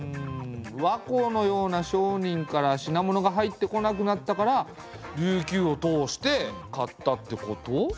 倭寇のような商人から品物が入ってこなくなったから琉球を通して買ったってこと？